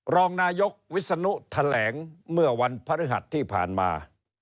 รองนายกวิศนุแถลงเมื่อวันพฤหัสที่ผ่านมา